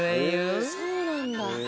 「そうなんだ！」